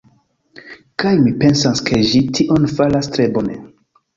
Kaj mi pensas ke ĝi tion faras tre bone.